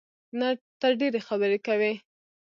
ته ډېري خبري کوې!